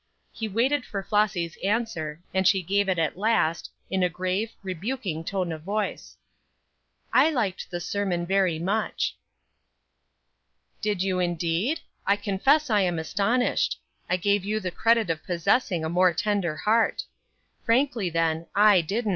He waited for Flossy's answer, and she gave it at last, in a grave, rebuking tone of voice: "I liked the sermon very much." "Did you, indeed? I confess I am astonished. I gave you the credit of possessing a more tender heart. Frankly, then, I didn't.